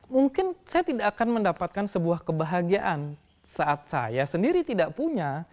mungkin saya tidak akan mendapatkan sebuah kebahagiaan saat saya sendiri tidak punya